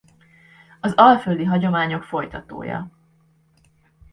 Az alföldi hagyományok folytatója.